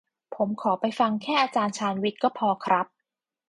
ผมขอไปฟังแค่อาจารย์ชาญวิทย์ก็พอครับ